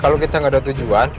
kalau kita nggak ada tujuan